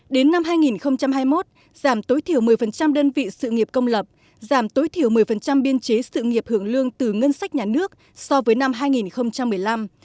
đến năm hai nghìn hai mươi một giảm tối thiểu một mươi đơn vị sự nghiệp công lập giảm tối thiểu một mươi biên chế sự nghiệp hưởng lương từ ngân sách nhà nước so với năm hai nghìn một mươi năm